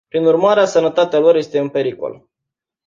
Prin urmare, sănătatea lor este în pericol.